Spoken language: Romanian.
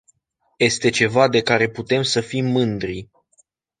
Este ceva de care putem să fim mândri.